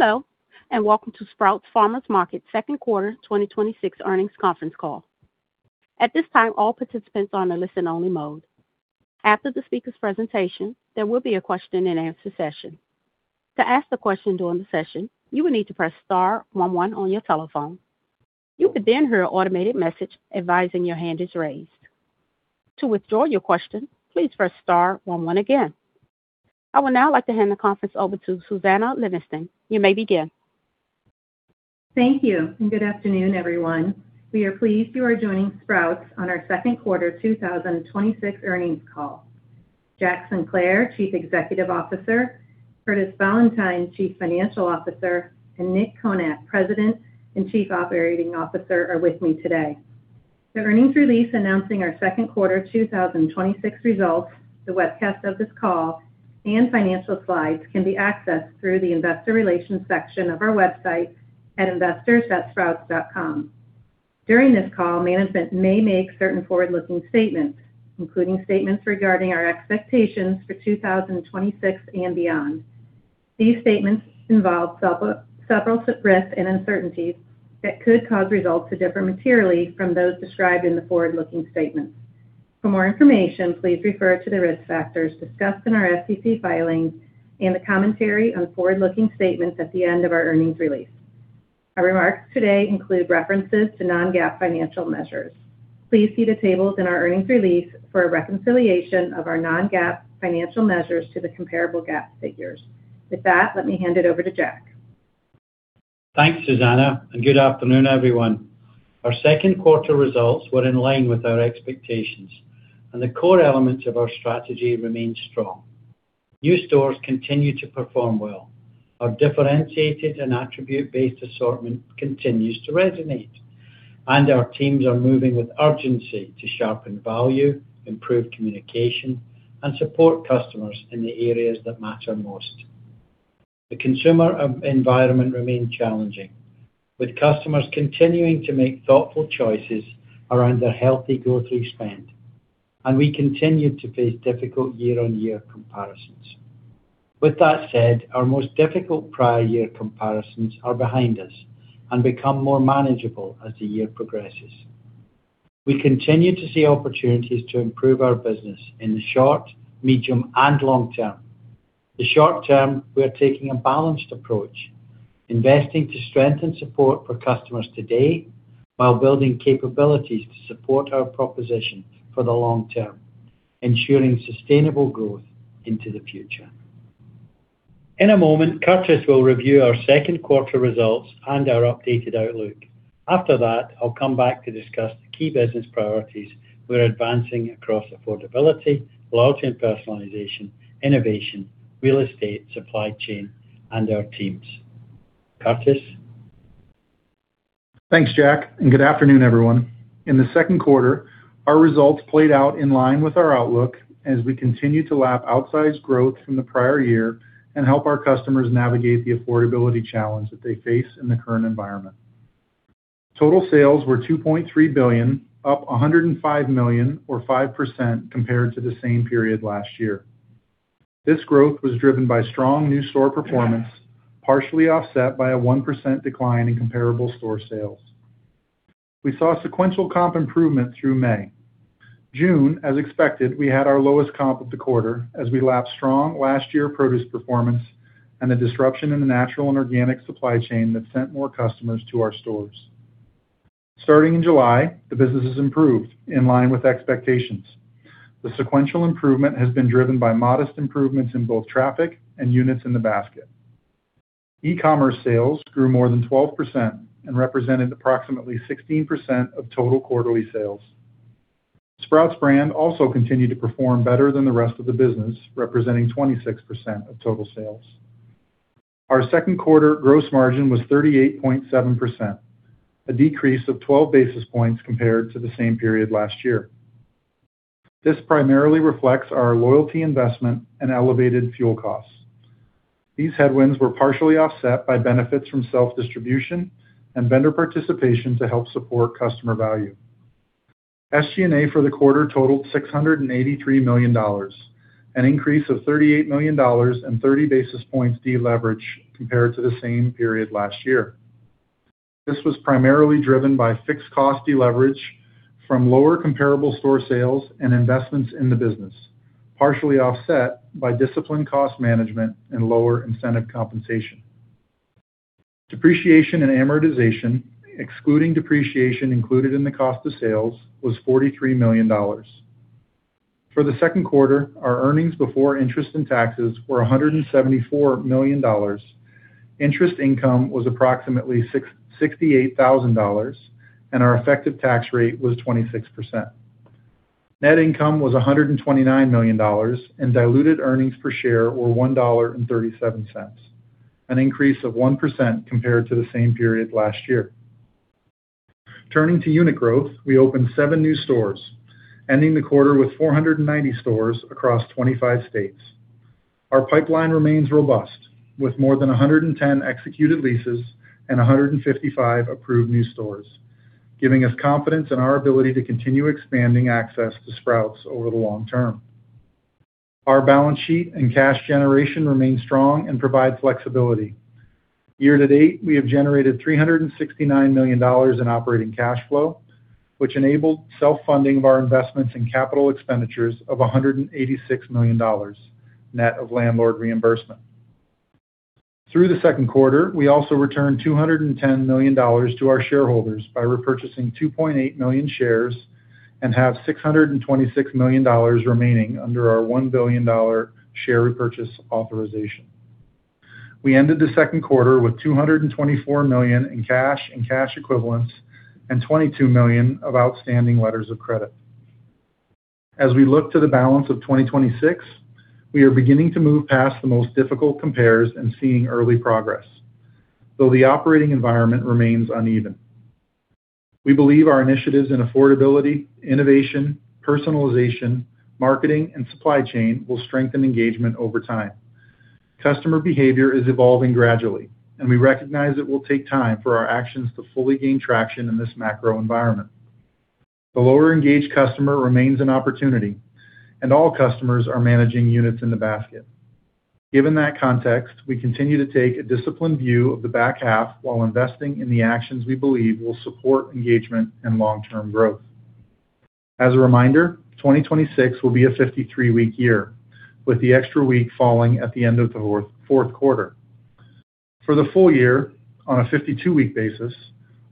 Hello, welcome to Sprouts Farmers Market second quarter 2026 earnings conference call. At this time, all participants are on a listen only mode. After the speaker's presentation, there will be a question and answer session. To ask the question during the session, you will need to press star one one on your telephone. You will then hear an automated message advising your hand is raised. To withdraw your question, please press star one one again. I would now like to hand the conference over to Susannah Livingston. You may begin. Thank you, good afternoon, everyone. We are pleased you are joining Sprouts on our second quarter 2026 earnings call. Jack Sinclair, Chief Executive Officer, Curtis Valentine, Chief Financial Officer, and Nick Konat, President and Chief Operating Officer, are with me today. The earnings release announcing our second quarter 2026 results, the webcast of this call, and financial slides can be accessed through the investor relations section of our website at investors.sprouts.com. During this call, management may make certain forward-looking statements, including statements regarding our expectations for 2026 and beyond. These statements involve several risks and uncertainties that could cause results to differ materially from those described in the forward-looking statements. For more information, please refer to the risk factors discussed in our SEC filings and the commentary on forward-looking statements at the end of our earnings release. Our remarks today include references to non-GAAP financial measures. Please see the tables in our earnings release for a reconciliation of our non-GAAP financial measures to the comparable GAAP figures. With that, let me hand it over to Jack. Thanks, Susannah, and good afternoon, everyone. Our second quarter results were in line with our expectations, and the core elements of our strategy remain strong. New stores continue to perform well. Our differentiated and attribute-based assortment continues to resonate, and our teams are moving with urgency to sharpen value, improve communication, and support customers in the areas that matter most. The consumer environment remains challenging, with customers continuing to make thoughtful choices around their healthy grocery spend, and we continue to face difficult year-on-year comparisons. With that said, our most difficult prior year comparisons are behind us and become more manageable as the year progresses. We continue to see opportunities to improve our business in the short, medium, and long term. In the short term, we are taking a balanced approach, investing to strengthen support for customers today while building capabilities to support our proposition for the long term, ensuring sustainable growth into the future. In a moment, Curtis will review our second quarter results and our updated outlook. After that, I will come back to discuss the key business priorities we are advancing across affordability, loyalty and personalization, innovation, real estate, supply chain, and our teams. Curtis? Thanks, Jack, and good afternoon, everyone. In the second quarter, our results played out in line with our outlook as we continue to lap outsized growth from the prior year and help our customers navigate the affordability challenge that they face in the current environment. Total sales were $2.3 billion, up $105 million or 5% compared to the same period last year. This growth was driven by strong new store performance, partially offset by a 1% decline in comparable store sales. We saw sequential comp improvement through May. June, as expected, we had our lowest comp of the quarter as we lapped strong last year produce performance and the disruption in the natural and organic supply chain that sent more customers to our stores. Starting in July, the business has improved in line with expectations. The sequential improvement has been driven by modest improvements in both traffic and units in the basket. E-commerce sales grew more than 12% and represented approximately 16% of total quarterly sales. Sprouts brand also continued to perform better than the rest of the business, representing 26% of total sales. Our second quarter gross margin was 38.7%, a decrease of 12 basis points compared to the same period last year. This primarily reflects our loyalty investment and elevated fuel costs. These headwinds were partially offset by benefits from self-distribution and vendor participation to help support customer value. SG&A for the quarter totaled $683 million, an increase of $38 million and 30 basis points deleverage compared to the same period last year. This was primarily driven by fixed cost deleverage from lower comparable store sales and investments in the business, partially offset by disciplined cost management and lower incentive compensation. Depreciation and amortization, excluding depreciation included in the cost of sales, was $43 million. For the second quarter, our earnings before interest and taxes were $174 million. Interest income was approximately $68,000, and our effective tax rate was 26%. Net income was $129 million, and diluted earnings per share were $1.37, an increase of 1% compared to the same period last year. Turning to unit growth, we opened seven new stores, ending the quarter with 490 stores across 25 states. Our pipeline remains robust with more than 110 executed leases and 155 approved new stores, giving us confidence in our ability to continue expanding access to Sprouts over the long term. Our balance sheet and cash generation remain strong and provide flexibility. Year-to-date, we have generated $369 million in operating cash flow, which enabled self-funding of our investments in capital expenditures of $186 million, net of landlord reimbursement. Through the second quarter, we also returned $210 million to our shareholders by repurchasing 2.8 million shares and have $626 million remaining under our $1 billion share repurchase authorization. We ended the second quarter with $224 million in cash and cash equivalents and $22 million of outstanding letters of credit. As we look to the balance of 2026, we are beginning to move past the most difficult compares and seeing early progress, though the operating environment remains uneven. We believe our initiatives in affordability, innovation, personalization, marketing, and supply chain will strengthen engagement over time. Customer behavior is evolving gradually, and we recognize it will take time for our actions to fully gain traction in this macro environment. The lower-engaged customer remains an opportunity, and all customers are managing units in the basket. Given that context, we continue to take a disciplined view of the back half while investing in the actions we believe will support engagement and long-term growth. As a reminder, 2026 will be a 53-week year, with the extra week falling at the end of the fourth quarter. For the full year, on a 52-week basis,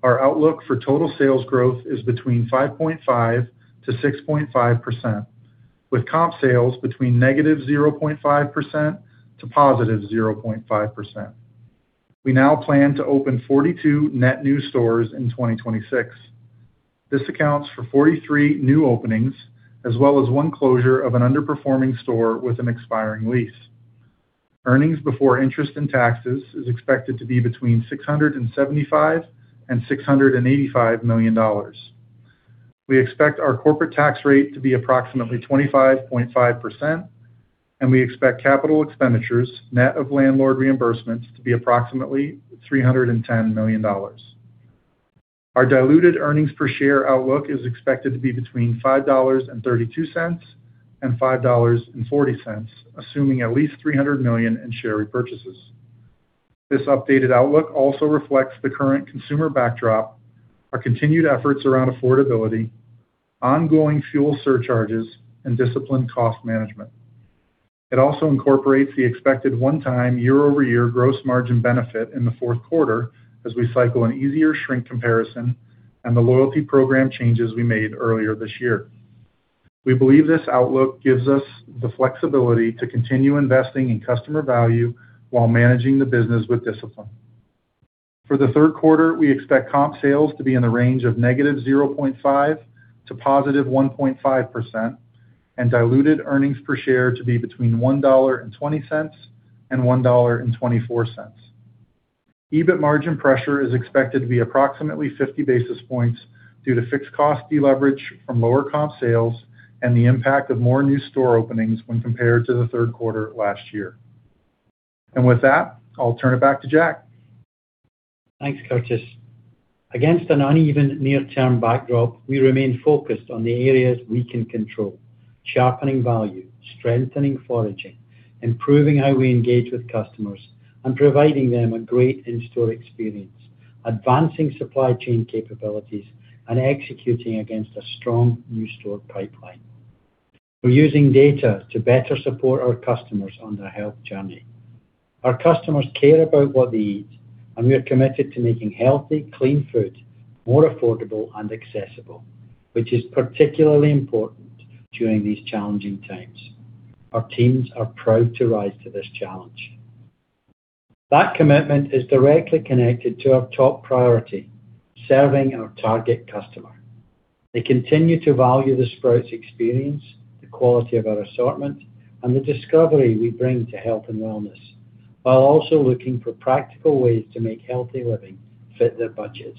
our outlook for total sales growth is between 5.5%-6.5%, with comp sales between -0.5% to +0.5%. We now plan to open 42 net new stores in 2026. This accounts for 43 new openings, as well as one closure of an underperforming store with an expiring lease. Earnings before interest and taxes is expected to be between $675 million and $685 million. We expect our corporate tax rate to be approximately 25.5%, and we expect capital expenditures net of landlord reimbursements to be approximately $310 million. Our diluted earnings per share outlook is expected to be between $5.32 and $5.40, assuming at least $300 million in share repurchases. This updated outlook also reflects the current consumer backdrop, our continued efforts around affordability, ongoing fuel surcharges, and disciplined cost management. It also incorporates the expected one-time, year-over-year gross margin benefit in the fourth quarter as we cycle an easier shrink comparison and the loyalty program changes we made earlier this year. We believe this outlook gives us the flexibility to continue investing in customer value while managing the business with discipline. For the third quarter, we expect comp sales to be in the range of -0.5% to +1.5% and diluted earnings per share to be between $1.20 and $1.24. EBIT margin pressure is expected to be approximately 50 basis points due to fixed cost deleverage from lower comp sales and the impact of more new store openings when compared to the third quarter last year. With that, I'll turn it back to Jack. Thanks, Curtis. Against an uneven near-term backdrop, we remain focused on the areas we can control, sharpening value, strengthening foraging, improving how we engage with customers, and providing them a great in-store experience, advancing supply chain capabilities, and executing against a strong new store pipeline. We're using data to better support our customers on their health journey. Our customers care about what they eat, and we are committed to making healthy, clean food more affordable and accessible, which is particularly important during these challenging times. Our teams are proud to rise to this challenge. That commitment is directly connected to our top priority, serving our target customer. They continue to value the Sprouts experience, the quality of our assortment, and the discovery we bring to health and wellness, while also looking for practical ways to make healthy living fit their budgets.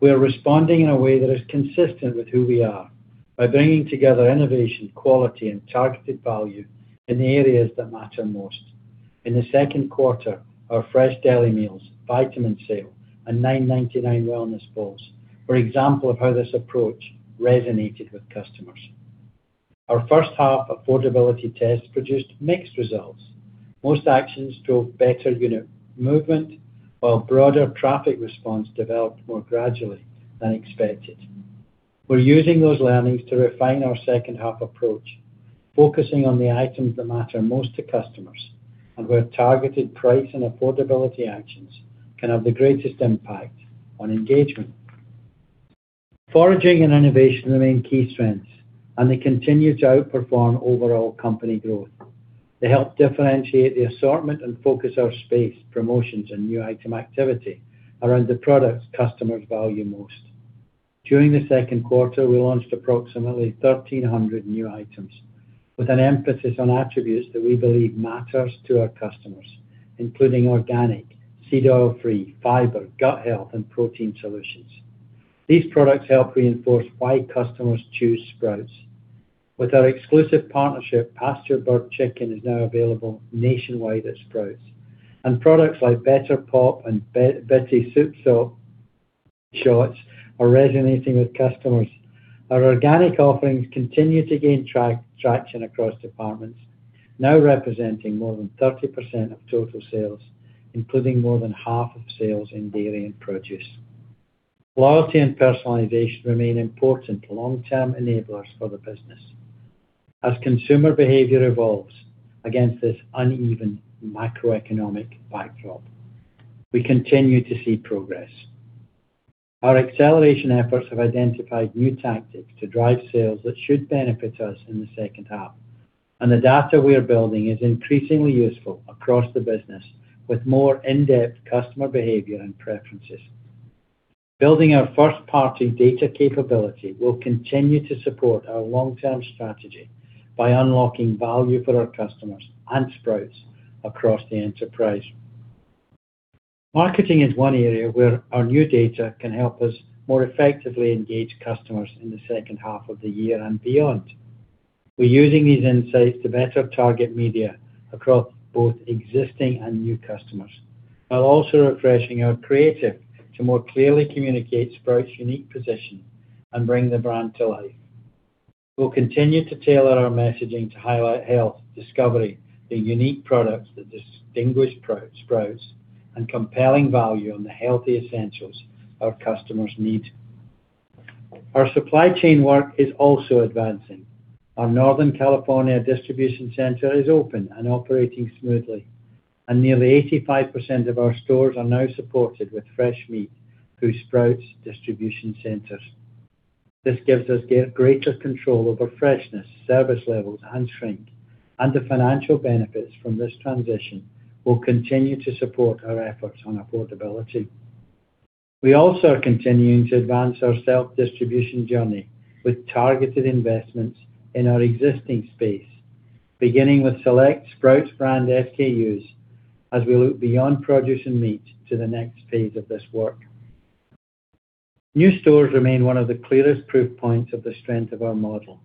We are responding in a way that is consistent with who we are by bringing together innovation, quality, and targeted value in the areas that matter most. In the second quarter, our fresh deli meals, vitamin sale, and $9.99 wellness bowls were examples of how this approach resonated with customers. Our first half affordability test produced mixed results. Most actions drove better unit movement, while broader traffic response developed more gradually than expected. We're using those learnings to refine our second half approach, focusing on the items that matter most to customers and where targeted price and affordability actions can have the greatest impact on engagement. Foraging and innovation remain key strengths, and they continue to outperform overall company growth. They help differentiate the assortment and focus our space, promotions, and new item activity around the products customers value most. During the second quarter, we launched approximately 1,300 new items with an emphasis on attributes that we believe matters to our customers, including organic, seed oil-free, fiber, gut health, and protein solutions. These products help reinforce why customers choose Sprouts. With our exclusive partnership, Pasturebird chicken is now available nationwide at Sprouts, and products like Better Than Pop and BITTE Soursop Bitters Shots are resonating with customers. Our organic offerings continue to gain traction across departments, now representing more than 30% of total sales, including more than half of sales in dairy and produce. Loyalty and personalization remain important long-term enablers for the business. As consumer behavior evolves against this uneven macroeconomic backdrop, we continue to see progress. Our acceleration efforts have identified new tactics to drive sales that should benefit us in the second half. The data we are building is increasingly useful across the business, with more in-depth customer behavior and preferences. Building our first-party data capability will continue to support our long-term strategy by unlocking value for our customers and Sprouts across the enterprise. Marketing is one area where our new data can help us more effectively engage customers in the second half of the year and beyond. We're using these insights to better target media across both existing and new customers, while also refreshing our creative to more clearly communicate Sprouts' unique position and bring the brand to life. We'll continue to tailor our messaging to highlight health, discovery, the unique products that distinguish Sprouts, and compelling value on the healthy essentials our customers need. Our supply chain work is also advancing. Our Northern California distribution center is open and operating smoothly, and nearly 85% of our stores are now supported with fresh meat through Sprouts distribution centers. This gives us greater control over freshness, service levels, and shrink, and the financial benefits from this transition will continue to support our efforts on affordability. We also are continuing to advance our self-distribution journey with targeted investments in our existing space, beginning with select Sprouts brand SKUs, as we look beyond produce and meat to the next phase of this work. New stores remain one of the clearest proof points of the strength of our model.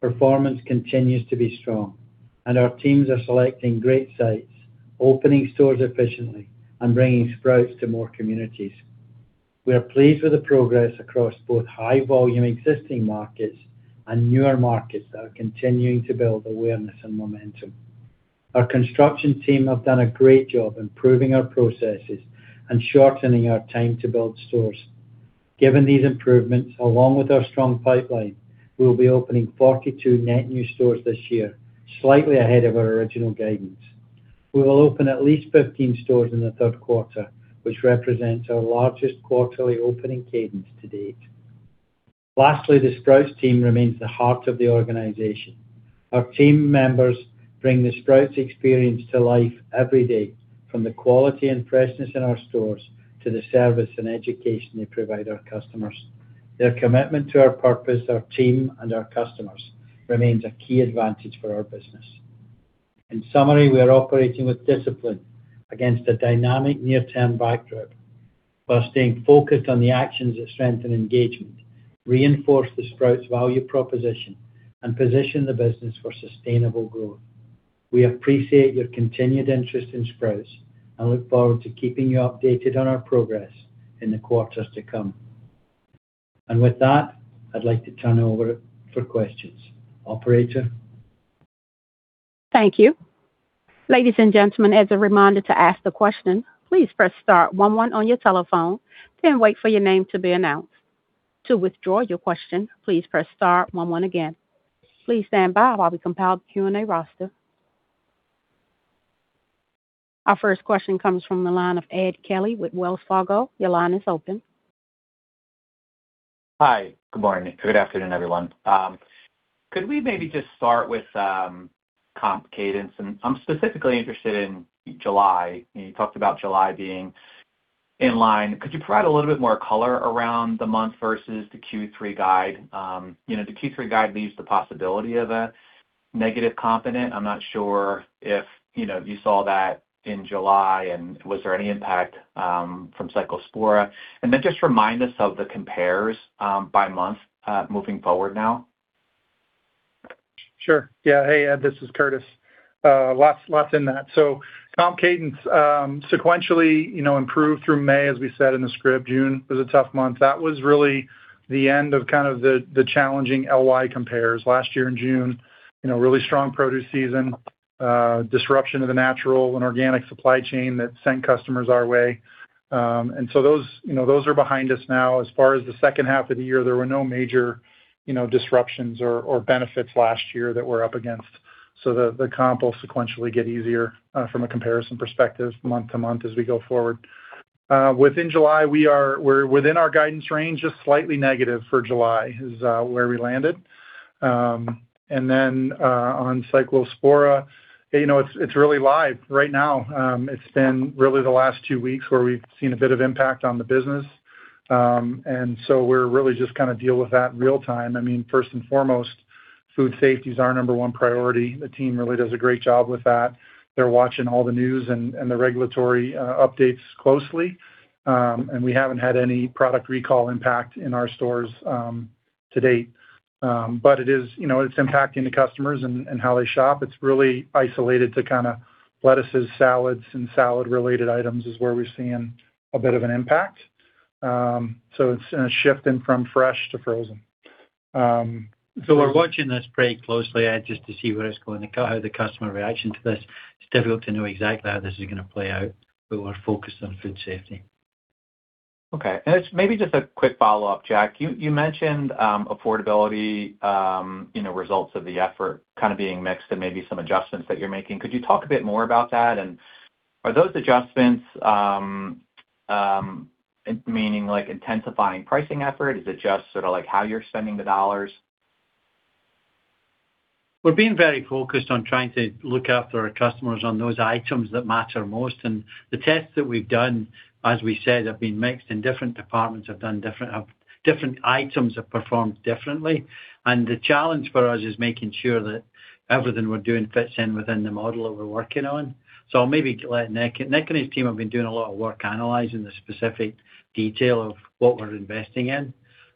Performance continues to be strong, and our teams are selecting great sites, opening stores efficiently, and bringing Sprouts to more communities. We are pleased with the progress across both high-volume existing markets and newer markets that are continuing to build awareness and momentum. Our construction team have done a great job improving our processes and shortening our time to build stores. Given these improvements, along with our strong pipeline, we'll be opening 42 net new stores this year, slightly ahead of our original guidance. We will open at least 15 stores in the third quarter, which represents our largest quarterly opening cadence to date. Lastly, the Sprouts team remains the heart of the organization. Our team members bring the Sprouts experience to life every day, from the quality and freshness in our stores to the service and education they provide our customers. Their commitment to our purpose, our team, and our customers remains a key advantage for our business. In summary, we are operating with discipline against a dynamic near-term backdrop, while staying focused on the actions that strengthen engagement, reinforce the Sprouts value proposition, and position the business for sustainable growth. We appreciate your continued interest in Sprouts, and look forward to keeping you updated on our progress in the quarters to come. With that, I'd like to turn it over for questions. Operator? Thank you. Ladies and gentlemen, as a reminder to ask the question, please press star one one on your telephone. Wait for your name to be announced. To withdraw your question, please press star one one again. Please stand by while we compile the Q&A roster. Our first question comes from the line of Edward Kelly with Wells Fargo. Your line is open. Hi. Good morning. Good afternoon, everyone. Could we maybe just start with comp cadence? I'm specifically interested in July. You talked about July being in line. Could you provide a little bit more color around the month versus the Q3 guide? The Q3 guide leaves the possibility of a negative component. I'm not sure if you saw that in July. Was there any impact from Cyclospora? Just remind us of the compares by month moving forward now. Sure. Yeah. Hey, Edward, this is Curtis. Lots in that. Comp cadence sequentially improved through May, as we said in the script. June was a tough month. That was really the end of kind of the challenging LY compares. Last year in June, really strong produce season, disruption of the natural and organic supply chain that sent customers our way. Those are behind us now. As far as the second half of the year, there were no major disruptions or benefits last year that we're up against. The comp will sequentially get easier from a comparison perspective month to month as we go forward. Within July, we're within our guidance range, just slightly negative for July is where we landed. On Cyclospora, it's really live right now. It's been really the last 2 weeks where we've seen a bit of impact on the business. We really just kind of deal with that real time. First and foremost, food safety is our number 1 priority. The team really does a great job with that. They're watching all the news and the regulatory updates closely. We haven't had any product recall impact in our stores to date. It's impacting the customers and how they shop. It's really isolated to lettuces, salads, and salad-related items is where we're seeing a bit of an impact. It's a shift in from fresh to frozen. We're watching this pretty closely just to see where it's going to go, the customer reaction to this. It's difficult to know exactly how this is going to play out, but we're focused on food safety. It's maybe just a quick follow-up, Jack. You mentioned affordability, results of the effort kind of being mixed and maybe some adjustments that you're making. Could you talk a bit more about that? Are those adjustments, meaning intensifying pricing effort? Is it just sort of like how you're spending the dollars? We're being very focused on trying to look after our customers on those items that matter most. The tests that we've done, as we said, have been mixed, and different departments have done different items have performed differently. The challenge for us is making sure that everything we're doing fits in within the model that we're working on. I'll maybe let Nick. Nick and his team have been doing a lot of work analyzing the specific detail of what we're investing in.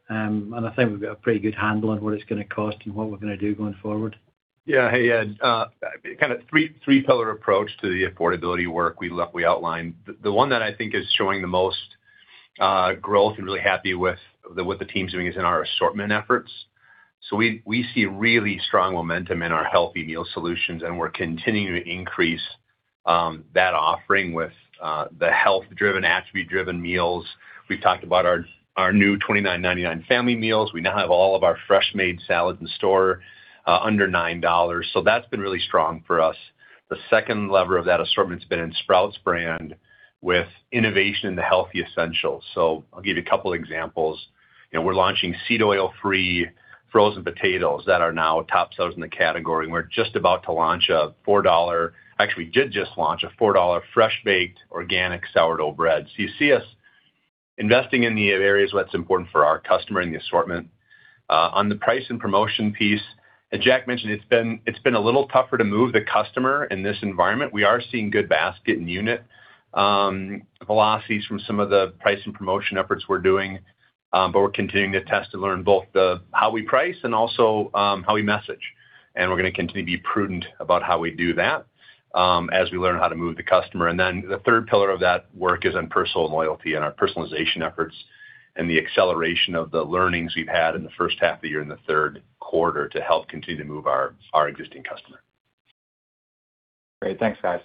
I think we've got a pretty good handle on what it's going to cost and what we're going to do going forward. Yeah. Hey, Edward. Kind of three-pillar approach to the affordability work we outlined. The one that I think is showing the most growth and really happy with what the team's doing is in our assortment efforts. We see really strong momentum in our healthy meal solutions, and we're continuing to increase that offering with the health-driven, attribute-driven meals. We've talked about our new $29.99 family meals. We now have all of our fresh made salads in store under $9, so that's been really strong for us. The second lever of that assortment's been in Sprouts brand with innovation in the healthy essentials. I'll give you a couple examples. We're launching seed oil-free frozen potatoes that are now top sellers in the category, and we're just about to launch a $4, actually, we did just launch a $4 fresh-baked organic sourdough bread. You see us investing in the areas that's important for our customer and the assortment. On the price and promotion piece, as Jack mentioned, it's been a little tougher to move the customer in this environment. We are seeing good basket and unit velocities from some of the price and promotion efforts we're doing. We're continuing to test to learn both how we price and also how we message. We're going to continue to be prudent about how we do that, as we learn how to move the customer. The third pillar of that work is on personal loyalty and our personalization efforts and the acceleration of the learnings we've had in the first half of the year and the third quarter to help continue to move our existing customer. Great. Thanks, guys.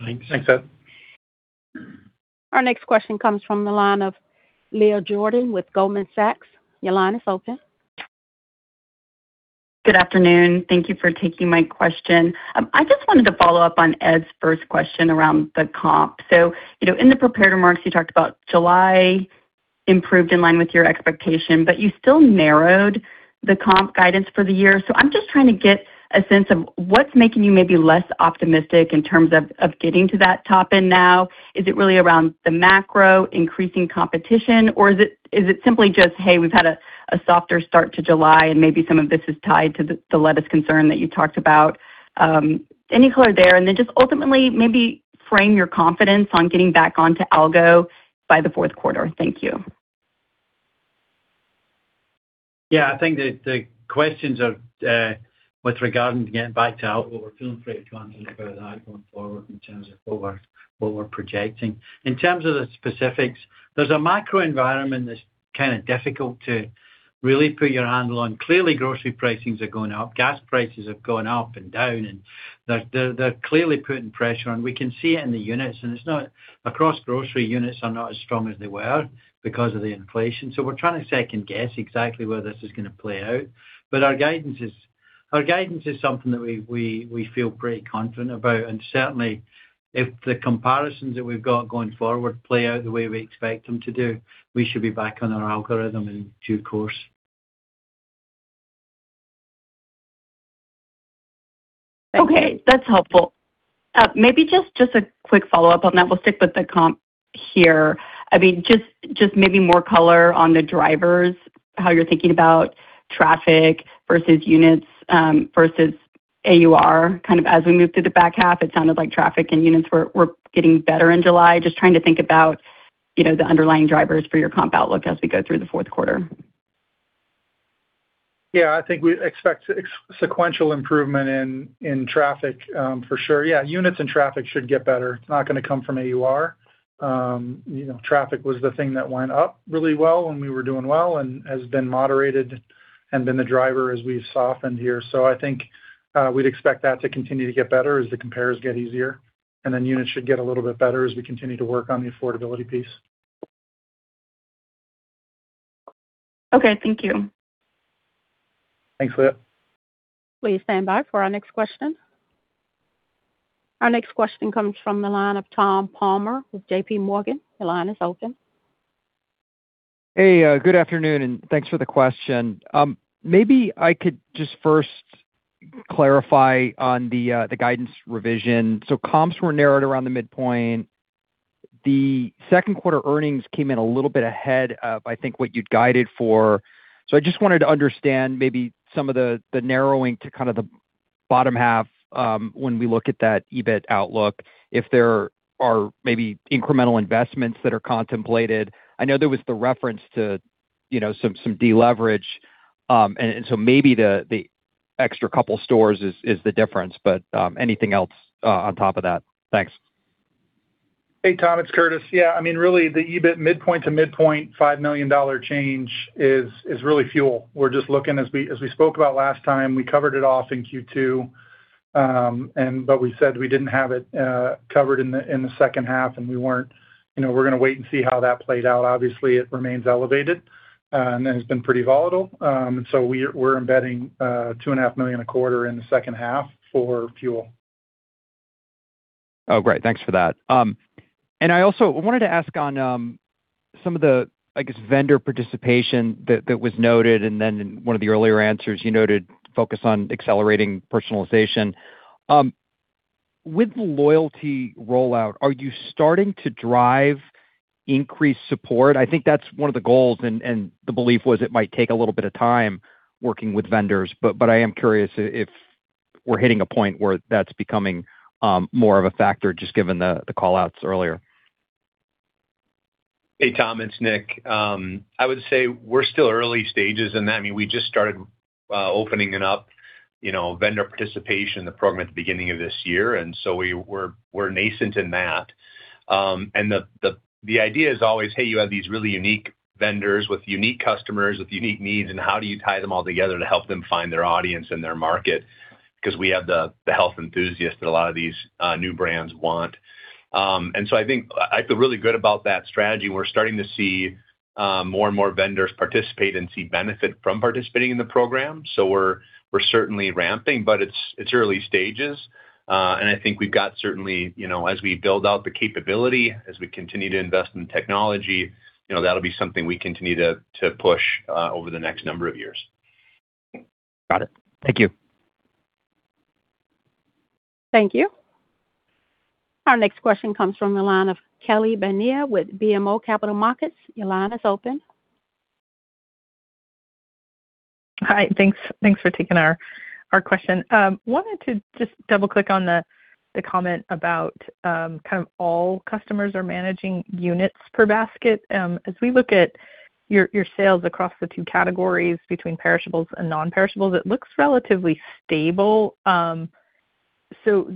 Thanks. Thanks, Ed. Our next question comes from the line of Leah Jordan with Goldman Sachs. Your line is open. Good afternoon. Thank you for taking my question. I just wanted to follow up on Edward's first question around the comp. In the prepared remarks, you talked about July improved in line with your expectation, but you still narrowed the comp guidance for the year. I'm just trying to get a sense of what's making you maybe less optimistic in terms of getting to that top end now. Is it really around the macro, increasing competition? Is it simply just, hey, we've had a softer start to July and maybe some of this is tied to the lettuce concern that you talked about? Any color there. And then just ultimately maybe frame your confidence on getting back onto algo by the fourth quarter. Thank you. I think the questions are with regarding to getting back to our going forward in terms of what we're projecting. In terms of the specifics, there's a macro environment that's kind of difficult to really put your handle on. Clearly, grocery pricings are going up. Gas prices have gone up and down, and they're clearly putting pressure on. We can see it in the units, and it's not across grocery units are not as strong as they were because of the inflation. We're trying to second-guess exactly where this is going to play out. Our guidance is something that we feel pretty confident about. Certainly if the comparisons that we've got going forward play out the way we expect them to do, we should be back on our algorithm in due course. Okay. That's helpful. Maybe just a quick follow-up on that. We'll stick with the comp here. Just maybe more color on the drivers, how you're thinking about traffic versus units, versus AUR, kind of as we move through the back half. It sounded like traffic and units were getting better in July. Just trying to think about the underlying drivers for your comp outlook as we go through the fourth quarter. I think we expect sequential improvement in traffic, for sure. Units and traffic should get better. It's not going to come from AUR. Traffic was the thing that went up really well when we were doing well and has been moderated and been the driver as we softened here. I think, we'd expect that to continue to get better as the compares get easier, and then units should get a little bit better as we continue to work on the affordability piece. Okay, thank you. Thanks, Leah. Please stand by for our next question. Our next question comes from the line of Thomas Palmer with JPMorgan. Your line is open. Hey, good afternoon. Thanks for the question. Maybe I could just first clarify on the guidance revision. Comps were narrowed around the midpoint. The second quarter earnings came in a little bit ahead of, I think, what you'd guided for. I just wanted to understand maybe some of the narrowing to kind of the bottom half, when we look at that EBIT outlook, if there are maybe incremental investments that are contemplated. I know there was the reference to some de-leverage, maybe the extra couple stores is the difference. Anything else on top of that? Thanks. Hey, Tom, it's Curtis. Yeah, really, the EBIT midpoint-to-midpoint $5 million change is really fuel. We're just looking, as we spoke about last time, we covered it off in Q2, but we said we didn't have it covered in the second half and we're going to wait and see how that played out. Obviously, it remains elevated and has been pretty volatile. We're embedding $2.5 million a quarter in the second half for fuel. Oh, great. Thanks for that. I also wanted to ask on some of the, I guess, vendor participation that was noted, and then in one of the earlier answers, you noted focus on accelerating personalization. With the loyalty rollout, are you starting to drive increased support? I think that's one of the goals, and the belief was it might take a little bit of time working with vendors. I am curious if we're hitting a point where that's becoming more of a factor, just given the call-outs earlier. Hey, Tom, it's Nick. I would say we're still early stages in that. We just started opening it up, vendor participation in the program at the beginning of this year, we're nascent in that. The idea is always, hey, you have these really unique vendors with unique customers with unique needs, and how do you tie them all together to help them find their audience and their market? Because we have the health enthusiasts that a lot of these new brands want. I feel really good about that strategy. We're starting to see more and more vendors participate and see benefit from participating in the program. We're certainly ramping, but it's early stages. I think we've got certainly, as we build out the capability, as we continue to invest in technology, that'll be something we continue to push over the next number of years. Got it. Thank you. Thank you. Our next question comes from the line of Kelly Bania with BMO Capital Markets. Your line is open. Hi. Thanks for taking our question. Wanted to just double-click on the comment about kind of all customers are managing units per basket. As we look at your sales across the two categories between perishables and non-perishables, it looks relatively stable.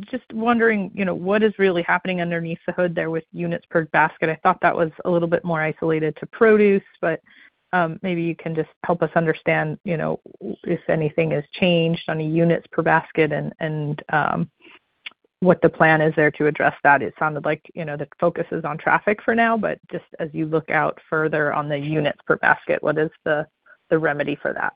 Just wondering, what is really happening underneath the hood there with units per basket? I thought that was a little bit more isolated to produce, but maybe you can just help us understand if anything has changed on a units per basket and what the plan is there to address that. It sounded like the focus is on traffic for now, but just as you look out further on the units per basket, what is the remedy for that?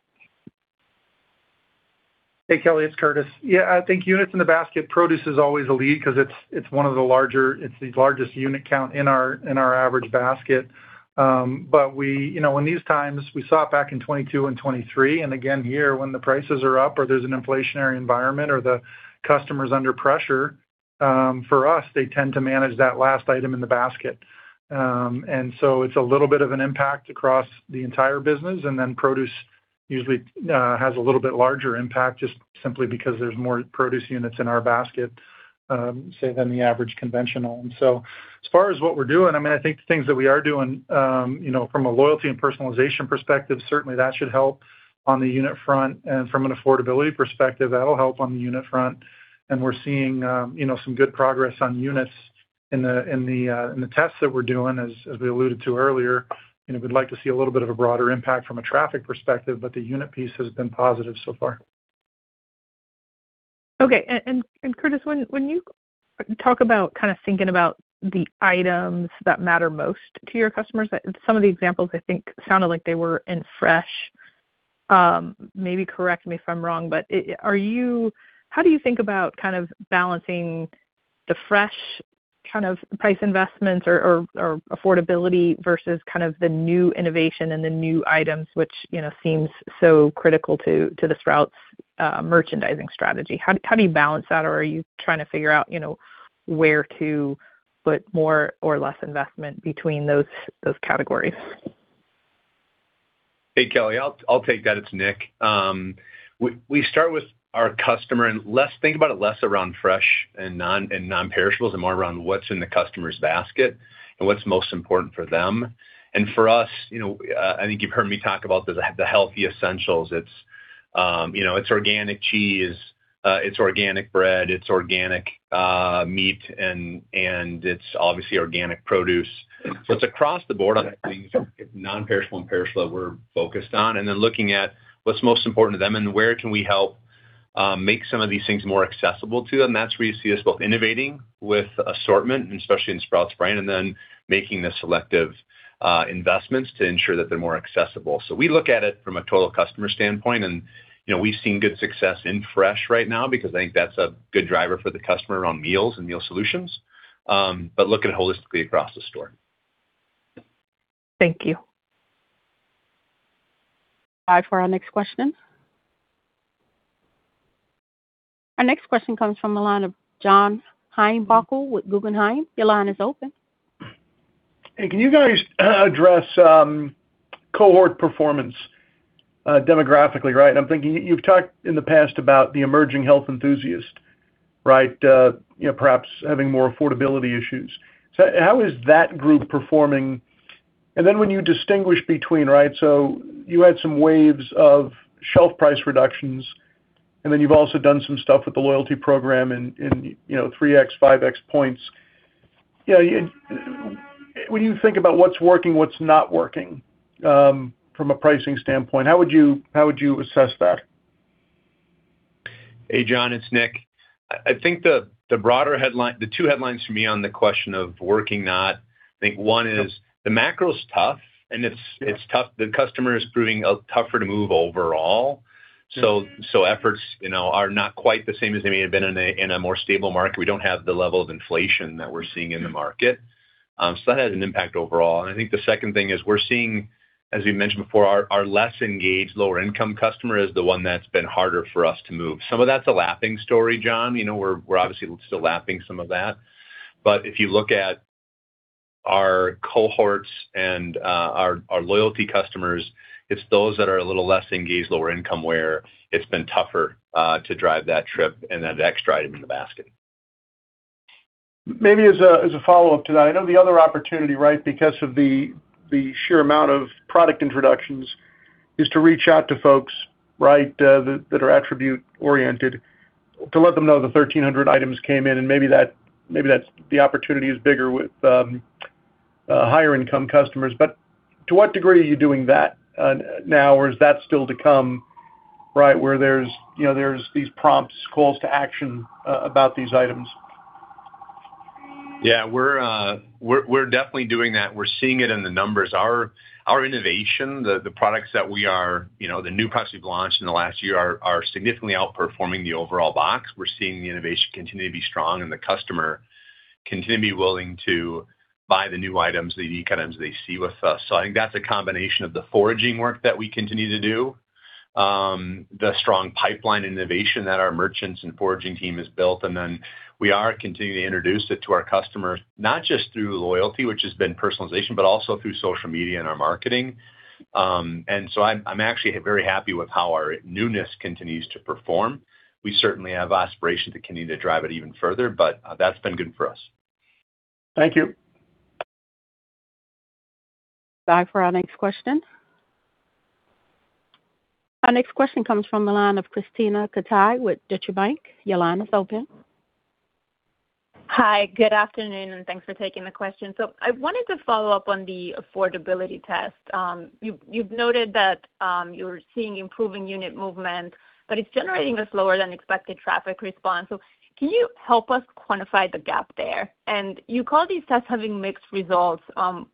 Hey, Kelly, it's Curtis. Yeah, I think units in the basket, produce is always a lead because it's the largest unit count in our average basket. But in these times, we saw it back in 2022 and 2023 and again here, when the prices are up or there's an inflationary environment or the customer's under pressure, for us, they tend to manage that last item in the basket. It's a little bit of an impact across the entire business, and then produce usually has a little bit larger impact, just simply because there's more produce units in our basket, say, than the average conventional. As far as what we're doing, I think the things that we are doing from a loyalty and personalization perspective, certainly that should help on the unit front. From an affordability perspective, that'll help on the unit front. We're seeing some good progress on units in the tests that we're doing, as we alluded to earlier. We'd like to see a little bit of a broader impact from a traffic perspective, the unit piece has been positive so far. Okay. Curtis, when you talk about kind of thinking about the items that matter most to your customers, some of the examples, I think, sounded like they were in fresh. Maybe correct me if I'm wrong, but how do you think about kind of balancing the fresh kind of price investments or affordability versus kind of the new innovation and the new items which seems so critical to the Sprouts merchandising strategy? How do you balance that, or are you trying to figure out where to put more or less investment between those categories? Hey, Kelly. I'll take that. It's Nick. We start with our customer. Let's think about it less around fresh and non-perishables and more around what's in the customer's basket and what's most important for them. For us, I think you've heard me talk about the healthy essentials. It's organic cheese, it's organic bread, it's organic meat, and it's obviously organic produce. It's across the board on these non-perishable and perishable that we're focused on, and then looking at what's most important to them and where can we help make some of these things more accessible to them. That's where you see us both innovating with assortment, and especially in Sprouts brand, and then making the selective investments to ensure that they're more accessible. We look at it from a total customer standpoint. We've seen good success in fresh right now because I think that's a good driver for the customer around meals and meal solutions. Look at it holistically across the store. Thank you. All right, for our next question. Our next question comes from the line of John Heinbockel with Guggenheim. Your line is open. Hey, can you guys address cohort performance demographically, right? I'm thinking, you've talked in the past about the emerging health enthusiast, right, perhaps having more affordability issues. How is that group performing? When you distinguish between, right, so you had some waves of shelf price reductions, and then you've also done some stuff with the loyalty program in 3X, 5X points. When you think about what's working, what's not working from a pricing standpoint, how would you assess that? Hey, John, it's Nick. I think the two headlines for me on the question of working not, I think one is the macro's tough, and the customer is proving tougher to move overall. Efforts are not quite the same as they may have been in a more stable market. We don't have the level of inflation that we're seeing in the market. That has an impact overall. I think the second thing is we're seeing, as we mentioned before, our less engaged, lower income customer is the one that's been harder for us to move. Some of that's a lapping story, John. We're obviously still lapping some of that. If you look at our cohorts and our loyalty customers, it's those that are a little less engaged, lower income, where it's been tougher to drive that trip and that extra item in the basket. Maybe as a follow-up to that, I know the other opportunity, right, because of the sheer amount of product introductions, is to reach out to folks, right, that are attribute-oriented to let them know the 1,300 items came in and maybe the opportunity is bigger with higher income customers. To what degree are you doing that now? Or is that still to come, right, where there's these prompts, calls to action about these items? Yeah, we're definitely doing that. We're seeing it in the numbers. Our innovation, the new products we've launched in the last year are significantly outperforming the overall box. We're seeing the innovation continue to be strong and the customer continue to be willing to buy the new items, the unique items they see with us. I think that's a combination of the foraging work that we continue to do, the strong pipeline innovation that our merchants and foraging team has built, and then we are continuing to introduce it to our customers, not just through loyalty, which has been personalization, but also through social media and our marketing. I'm actually very happy with how our newness continues to perform. We certainly have aspirations to continue to drive it even further, but that's been good for us. Thank you. Back for our next question. Our next question comes from the line of Krisztina Katai with Deutsche Bank. Your line is open. Hi, good afternoon, and thanks for taking the question. I wanted to follow up on the affordability test. You've noted that you're seeing improving unit movement, but it's generating a slower than expected traffic response. Can you help us quantify the gap there? You call these tests having mixed results.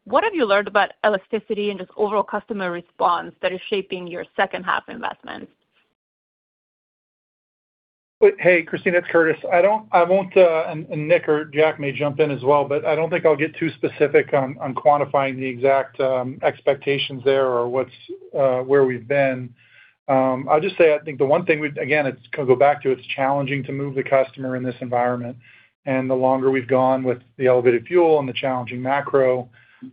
What have you learned about elasticity and just overall customer response that is shaping your second half investments? Hey, Krisztina, it's Curtis. Nick or Jack may jump in as well, but I don't think I'll get too specific on quantifying the exact expectations there or where we've been. I'll just say, I think the one thing, again, go back to it's challenging to move the customer in this environment. The longer we've gone with the elevated fuel and the challenging macro,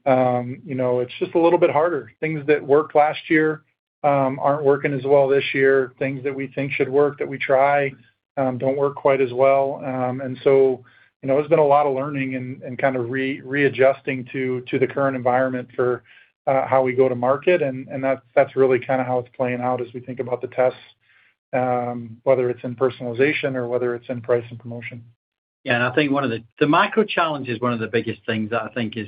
it's just a little bit harder. Things that worked last year aren't working as well this year. Things that we think should work, that we try, don't work quite as well. There's been a lot of learning and kind of readjusting to the current environment for how we go to market, and that's really kind of how it's playing out as we think about the tests, whether it's in personalization or whether it's in price and promotion. I think the macro challenge is one of the biggest things that I think is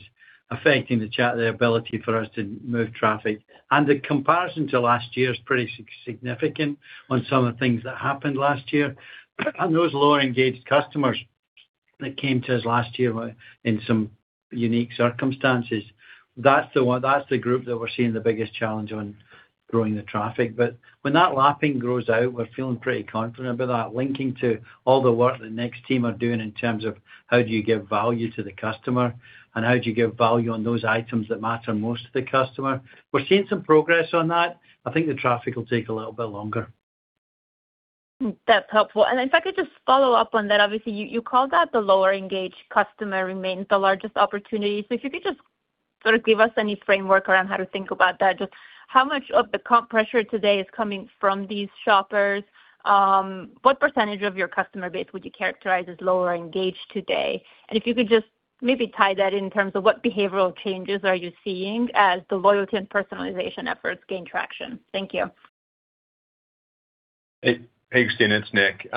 affecting the ability for us to move traffic. The comparison to last year is pretty significant on some of the things that happened last year. Those lower engaged customers that came to us last year in some unique circumstances, that's the group that we're seeing the biggest challenge on growing the traffic. When that lapping grows out, we're feeling pretty confident about that, linking to all the work the Nick team are doing in terms of how do you give value to the customer and how do you give value on those items that matter most to the customer. We're seeing some progress on that. I think the traffic will take a little bit longer. That's helpful. If I could just follow up on that. Obviously, you called that the lower engaged customer remains the largest opportunity. If you could just sort of give us any framework around how to think about that. Just how much of the comp pressure today is coming from these shoppers? What percentage of your customer base would you characterize as lower engaged today? If you could just maybe tie that in terms of what behavioral changes are you seeing as the loyalty and personalization efforts gain traction. Thank you. Hey, Krisztina, it's Nick.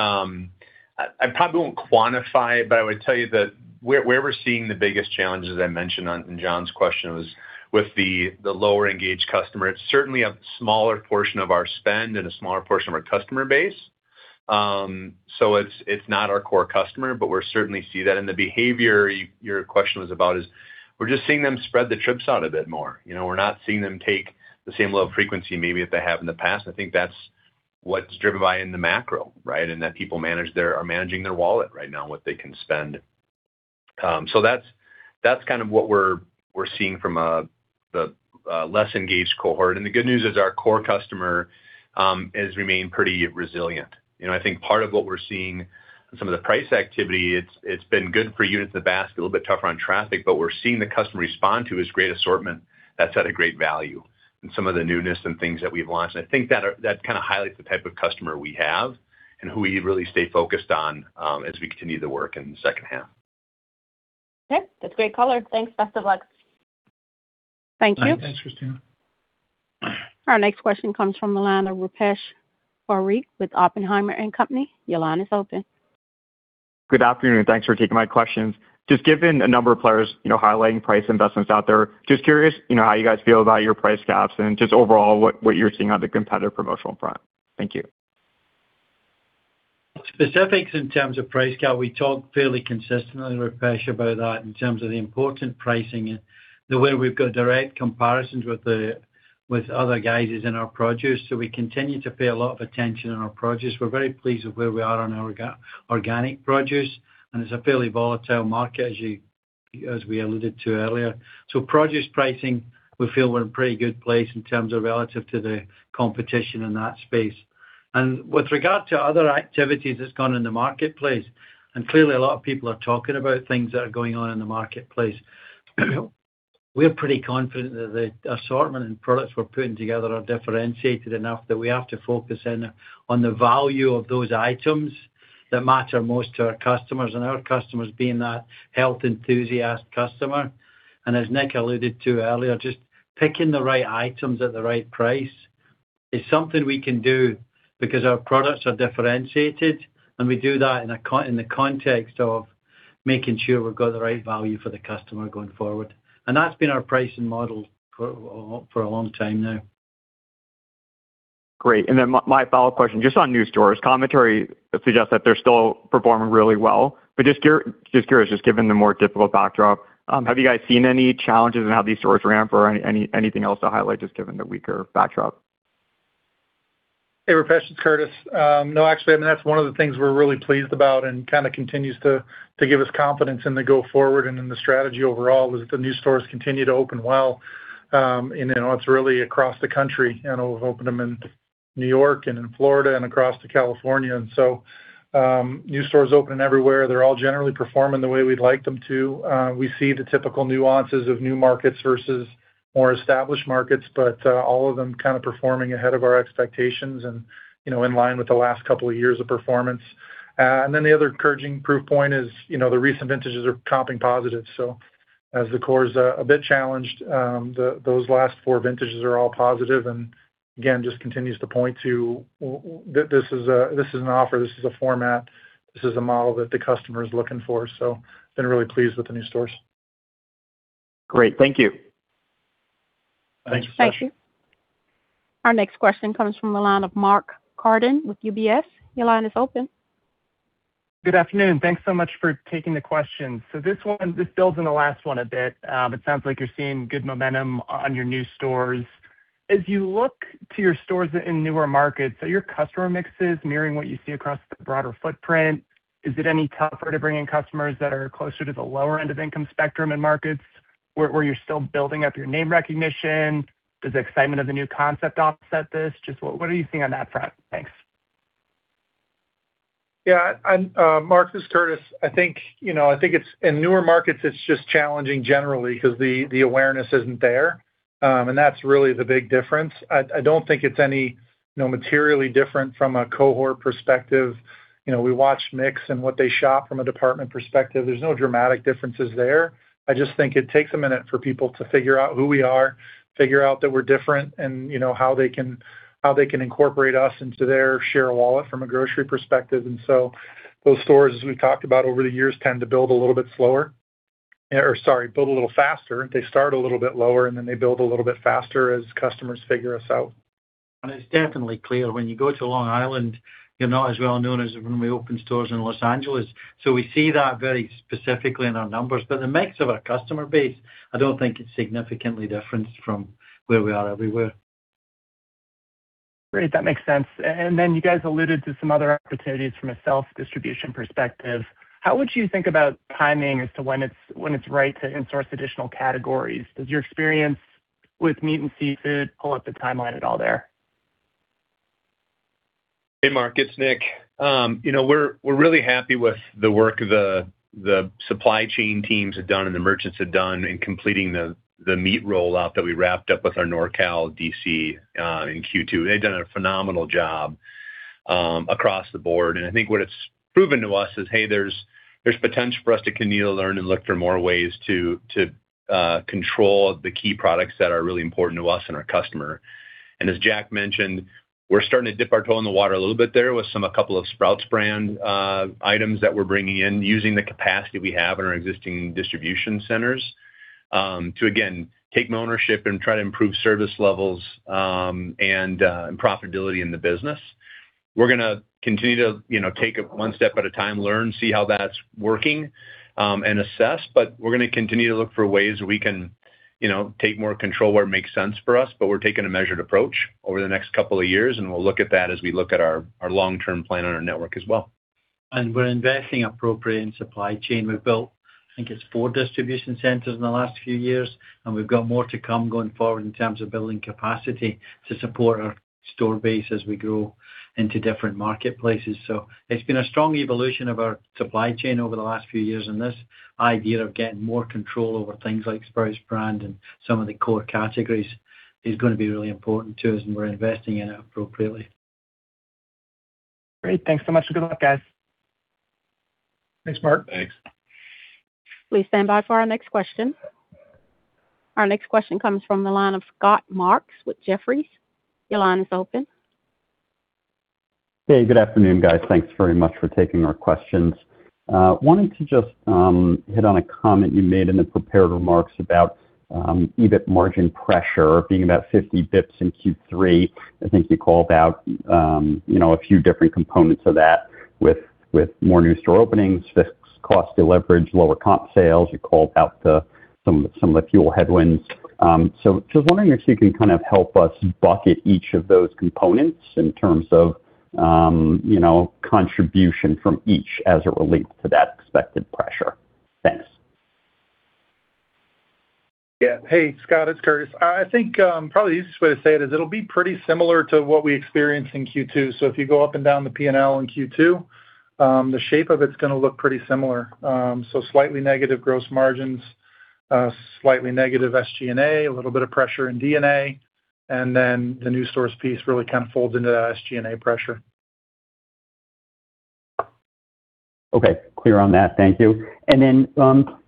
I probably won't quantify it, I would tell you that where we're seeing the biggest challenges I mentioned in John's question was with the lower engaged customer. It's certainly a smaller portion of our spend and a smaller portion of our customer base. It's not our core customer, we certainly see that. The behavior your question was about is we're just seeing them spread the trips out a bit more. We're not seeing them take the same level of frequency maybe as they have in the past, I think that's what's driven by in the macro, right? That people are managing their wallet right now and what they can spend. That's kind of what we're seeing from The less engaged cohort. The good news is our core customer has remained pretty resilient. I think part of what we're seeing in some of the price activity, it's been good for units of basket, a little bit tougher on traffic, but we're seeing the customer respond to is great assortment that's at a great value and some of the newness and things that we've launched. I think that kind of highlights the type of customer we have and who we really stay focused on as we continue to work in the second half. Okay, that's great color. Thanks. Best of luck. Thank you. Thanks, Krisztina. Our next question comes from the line of Rupesh Parikh with Oppenheimer & Co. Your line is open. Good afternoon, thanks for taking my questions. Just given a number of players highlighting price investments out there, just curious, how you guys feel about your price gaps and just overall what you're seeing on the competitive promotional front. Thank you. Specifics in terms of price gap, we talk fairly consistently, Rupesh, about that in terms of the important pricing and the way we've got direct comparisons with other guys is in our produce. We continue to pay a lot of attention on our produce. We're very pleased with where we are on our organic produce, and it's a fairly volatile market, as we alluded to earlier. Produce pricing, we feel we're in a pretty good place in terms of relative to the competition in that space. With regard to other activities that's gone in the marketplace, clearly a lot of people are talking about things that are going on in the marketplace. We're pretty confident that the assortment and products we're putting together are differentiated enough that we have to focus in on the value of those items that matter most to our customers and our customers being that health enthusiast customer. As Nick alluded to earlier, just picking the right items at the right price is something we can do because our products are differentiated, and we do that in the context of making sure we've got the right value for the customer going forward. That's been our pricing model for a long time now. Great. My follow-up question, just on new stores. Commentary suggests that they're still performing really well, but just curious, just given the more difficult backdrop, have you guys seen any challenges in how these stores ramp or anything else to highlight just given the weaker backdrop? Hey, Rupesh, it's Curtis. No, actually, that's one of the things we're really pleased about and kind of continues to give us confidence in the go forward and in the strategy overall was that the new stores continue to open well. It's really across the country. We've opened them in New York and in Florida and across to California, new stores opening everywhere. They're all generally performing the way we'd like them to. We see the typical nuances of new markets versus more established markets, all of them kind of performing ahead of our expectations and in line with the last couple of years of performance. The other encouraging proof point is the recent vintages are comping positive. As the core is a bit challenged, those last four vintages are all positive again, just continues to point to this is an offer, this is a format, this is a model that the customer is looking for. Been really pleased with the new stores. Great. Thank you. Thanks. Thank you. Our next question comes from the line of Mark Carden with UBS. Your line is open. Good afternoon. Thanks so much for taking the questions. This one, this builds on the last one a bit. It sounds like you're seeing good momentum on your new stores. As you look to your stores in newer markets, are your customer mixes mirroring what you see across the broader footprint? Is it any tougher to bring in customers that are closer to the lower end of income spectrum in markets where you're still building up your name recognition? Does the excitement of the new concept offset this? Just what are you seeing on that front? Thanks. Mark, this is Curtis. I think, in newer markets, it's just challenging generally because the awareness isn't there, and that's really the big difference. I don't think it's any materially different from a cohort perspective. We watch mix and what they shop from a department perspective. There's no dramatic differences there. I just think it takes a minute for people to figure out who we are, figure out that we're different, and how they can incorporate us into their share of wallet from a grocery perspective. Those stores, as we've talked about over the years, tend to build a little bit slower. Or sorry, build a little faster. They start a little bit lower, then they build a little bit faster as customers figure us out. It's definitely clear when you go to Long Island, you're not as well known as when we open stores in Los Angeles. We see that very specifically in our numbers. The mix of our customer base, I don't think it's significantly different from where we are everywhere. Great. That makes sense. You guys alluded to some other opportunities from a self-distribution perspective. How would you think about timing as to when it's right to insource additional categories? Does your experience with meat and seafood pull up the timeline at all there? Hey, Mark, it's Nick. We're really happy with the work the supply chain teams have done and the merchants have done in completing the meat rollout that we wrapped up with our NorCal DC in Q2. They've done a phenomenal job across the board. I think what it's proven to us is, hey, there's potential for us to continue to learn and look for more ways to control the key products that are really important to us and our customer. As Jack mentioned, we're starting to dip our toe in the water a little bit there with a couple of Sprouts brand items that we're bringing in using the capacity we have in our existing distribution centers to again, take more ownership and try to improve service levels and profitability in the business. We're going to continue to take it one step at a time, learn, see how that's working, and assess, but we're going to continue to look for ways we can take more control where it makes sense for us. We're taking a measured approach over the next couple of years, and we'll look at that as we look at our long-term plan on our network as well. We're investing appropriately in supply chain. We've built, I think it's four distribution centers in the last few years, and we've got more to come going forward in terms of building capacity to support our store base as we grow into different marketplaces. It's been a strong evolution of our supply chain over the last few years. This idea of getting more control over things like Sprouts brand and some of the core categories is going to be really important to us, and we're investing in it appropriately. Great. Thanks so much, good luck, guys. Thanks, Mark. Thanks. Please stand by for our next question. Our next question comes from the line of Scott Marks with Jefferies. Your line is open. Hey, good afternoon, guys. Thanks very much for taking our questions. Wanted to just hit on a comment you made in the prepared remarks about EBIT margin pressure being about 50 basis points in Q3. I think you called out a few different components of that with more new store openings, fixed cost deleverage, lower comp sales. You called out some of the fuel headwinds. Just wondering if you can kind of help us bucket each of those components in terms of contribution from each as it relates to that expected pressure. Thanks. Hey, Scott, it's Curtis. I think probably the easiest way to say it is it'll be pretty similar to what we experienced in Q2. If you go up and down the P&L in Q2, the shape of it's gonna look pretty similar. Slightly negative gross margins, slightly negative SG&A, a little bit of pressure in D&A, and then the new stores piece really kind of folds into that SG&A pressure. Okay. Clear on that. Thank you.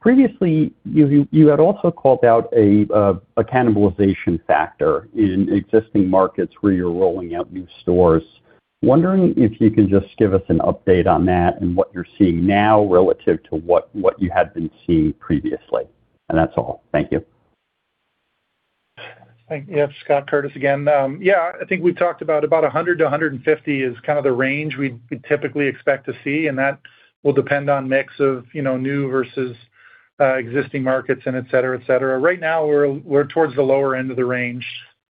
Previously, you had also called out a cannibalization factor in existing markets where you're rolling out new stores. Wondering if you can just give us an update on that and what you're seeing now relative to what you had been seeing previously. That's all. Thank you. Thank you. Scott, Curtis again. I think we talked about 100-150 is kind of the range we'd typically expect to see, and that will depend on mix of new versus existing markets and et cetera. Right now, we're towards the lower end of the range.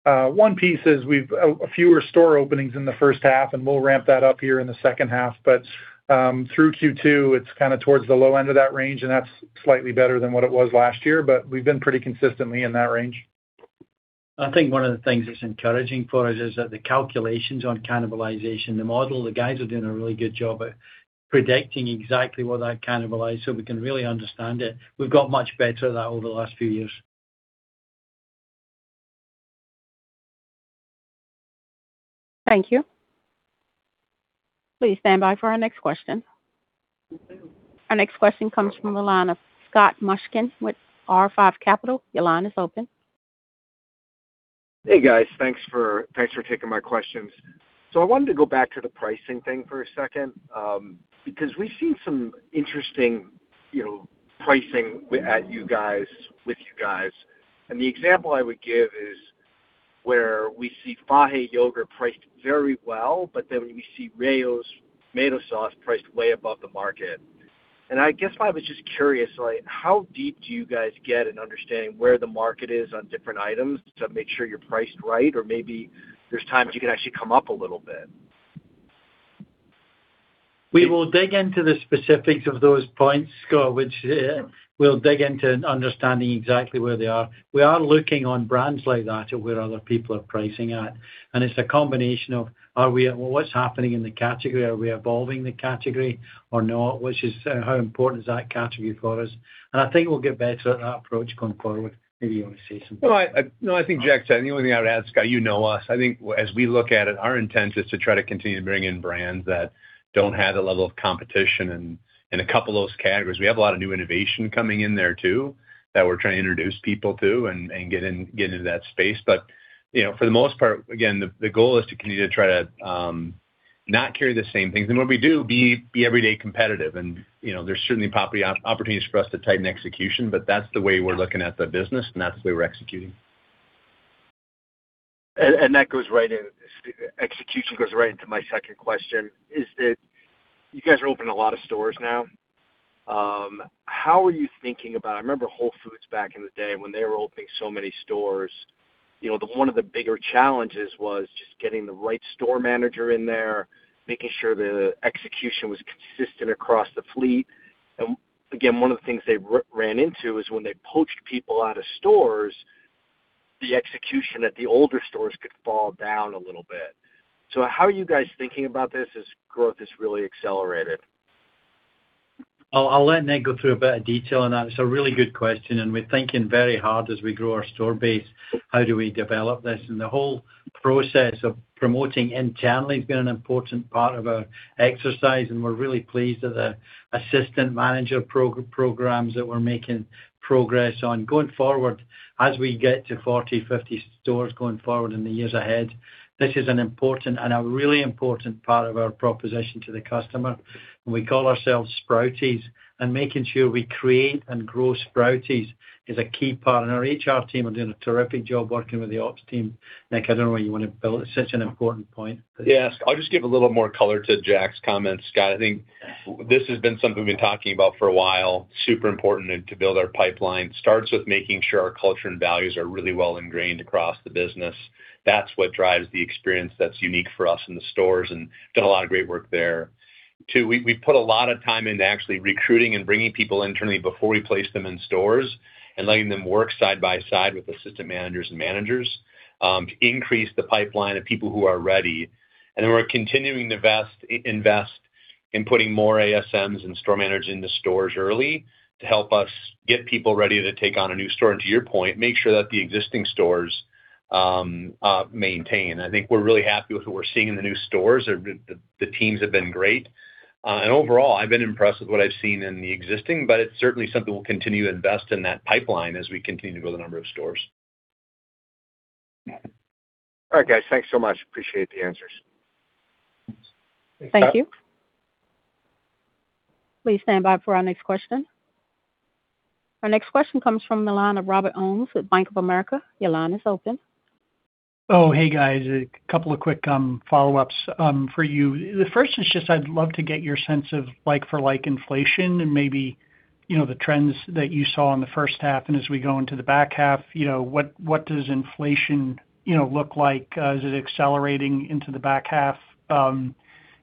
One piece is we've a fewer store openings in the first half, and we'll ramp that up here in the second half. Through Q2, it's kind of towards the low end of that range, and that's slightly better than what it was last year, but we've been pretty consistently in that range. I think one of the things that's encouraging for us is that the calculations on cannibalization, the model, the guys are doing a really good job at predicting exactly what that cannibalize, we can really understand it. We've got much better at that over the last few years. Thank you. Please stand by for our next question. Our next question comes from the line of Scott Mushkin with R5 Capital. Your line is open. Hey, guys. Thanks for taking my questions. I wanted to go back to the pricing thing for a second because we've seen some interesting pricing with you guys. The example I would give is where we see Fage Yogurt priced very well, but then we see Rao's Tomato Sauce priced way above the market. I guess I was just curious, how deep do you guys get in understanding where the market is on different items to make sure you're priced right? Or maybe there's times you can actually come up a little bit. We will dig into the specifics of those points, Scott, which we'll dig into and understanding exactly where they are. We are looking on brands like that or where other people are pricing at. It's a combination of what's happening in the category. Are we evolving the category or not? Which is how important is that category for us? I think we'll get better at that approach going forward. Maybe you want to say something. No, I think Jack said the only thing I would add, Scott, you know us. I think as we look at it, our intent is to try to continue to bring in brands that don't have the level of competition in a couple of those categories. We have a lot of new innovation coming in there too, that we're trying to introduce people to and get into that space. For the most part, again, the goal is to continue to try to not carry the same things, and when we do, be everyday competitive. There's certainly opportunities for us to tighten execution, but that's the way we're looking at the business, and that's the way we're executing. Execution goes right into my second question is that you guys are opening a lot of stores now. How are you thinking about I remember Whole Foods Market back in the day when they were opening so many stores. One of the bigger challenges was just getting the right store manager in there, making sure the execution was consistent across the fleet. Again, one of the things they ran into is when they poached people out of stores, the execution at the older stores could fall down a little bit. How are you guys thinking about this as growth has really accelerated? I'll let Nick go through a bit of detail on that. It's a really good question, we're thinking very hard as we grow our store base, how do we develop this? The whole process of promoting internally has been an important part of our exercise, and we're really pleased that the assistant manager programs that we're making progress on. Going forward, as we get to 40, 50 stores going forward in the years ahead, this is an important and a really important part of our proposition to the customer. We call ourselves Sprouties, and making sure we create and grow Sprouties is a key part. Our HR team are doing a terrific job working with the ops team. Nick, I don't know whether you want to build. It's such an important point. Yes. I'll just give a little more color to Jack's comments, Scott. I think this has been something we've been talking about for a while. Super important to build our pipeline starts with making sure our culture and values are really well ingrained across the business. That's what drives the experience that's unique for us in the stores and done a lot of great work there. Two, we put a lot of time into actually recruiting and bringing people internally before we place them in stores and letting them work side by side with assistant managers and managers. To increase the pipeline of people who are ready. Then we're continuing to invest in putting more ASMs and store managers in the stores early to help us get people ready to take on a new store. To your point, make sure that the existing stores maintain. I think we're really happy with who we're seeing in the new stores. The teams have been great. Overall, I've been impressed with what I've seen in the existing, but it's certainly something we'll continue to invest in that pipeline as we continue to grow the number of stores. All right, guys. Thanks so much. Appreciate the answers. Thanks. Thank you. Please stand by for our next question. Our next question comes from the line of Robert Ohmes with Bank of America. Your line is open. Oh, hey, guys. A couple of quick follow-ups for you. The first is just I'd love to get your sense of like-for-like inflation and maybe the trends that you saw in the first half and as we go into the back half, what does inflation look like? Is it accelerating into the back half? Is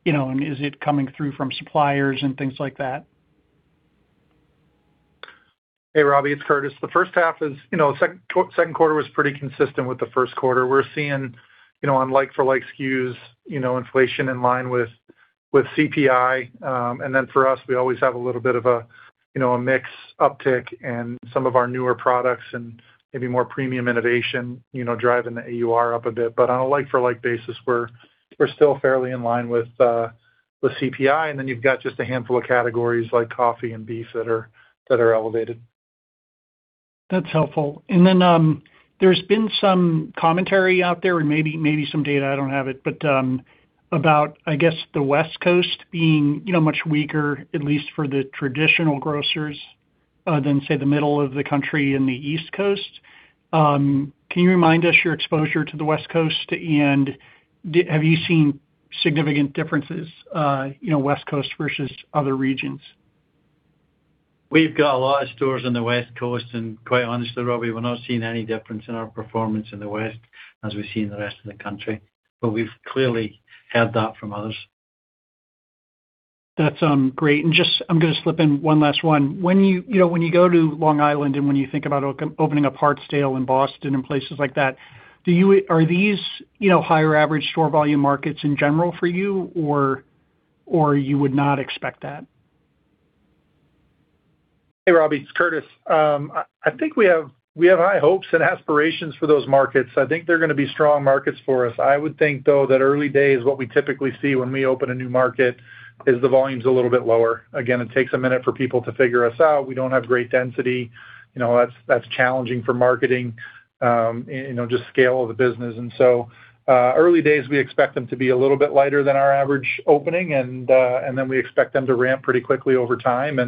it coming through from suppliers and things like that? Hey, Robert, it's Curtis. Second quarter was pretty consistent with the first quarter. We're seeing on like-for-like SKUs, inflation in line with CPI. For us, we always have a little bit of a mix uptick in some of our newer products and maybe more premium innovation, driving the AUR up a bit. On a like-for-like basis, we're still fairly in line with the CPI. You've got just a handful of categories like coffee and beef that are elevated. That's helpful. There's been some commentary out there and maybe some data, I don't have it, about, I guess, the West Coast being much weaker, at least for the traditional grocers, than, say, the middle of the country and the East Coast. Can you remind us your exposure to the West Coast and have you seen significant differences, West Coast versus other regions? We've got a lot of stores on the West Coast, and quite honestly, Robert, we're not seeing any difference in our performance in the West as we see in the rest of the country. We've clearly heard that from others. That's great. I'm going to slip in one last one. When you go to Long Island, and when you think about opening up Hartsdale and Boston and places like that, are these higher average store volume markets in general for you, or you would not expect that? Hey, Robert, it's Curtis. I think we have high hopes and aspirations for those markets. I think they're going to be strong markets for us. I would think, though, that early days, what we typically see when we open a new market is the volume's a little bit lower. Again, it takes a minute for people to figure us out. We don't have great density. That's challenging for marketing, just scale of the business. Early days, we expect them to be a little bit lighter than our average opening, and then we expect them to ramp pretty quickly over time.